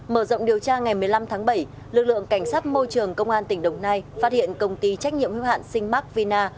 mở rộng điều tra ngày một mươi năm tháng bảy lực lượng cảnh sát môi trường công an tỉnh đồng nai phát hiện công ty trách nhiệm hưu hạn sinh mac vina